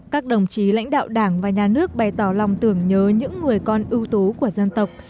các đồng chí lãnh đạo đảng và nhà nước bày tỏ lòng tưởng nhớ những người con ưu tú của dân tộc